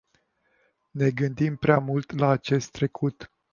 Ne gândim prea mult la acest trecut.